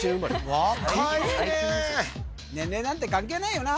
若いね年齢なんて関係ないよな？